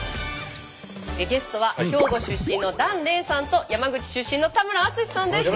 ゲストは兵庫出身の檀れいさんと山口出身の田村淳さんです。